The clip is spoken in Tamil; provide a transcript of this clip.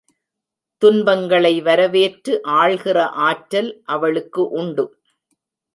துன்பங்களை வரவேற்று ஆள்கிற ஆற்றல் அவளுக்கு உண்டு.